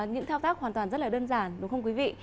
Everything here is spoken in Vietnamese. những thao tác hoàn toàn rất là đơn giản đúng không quý vị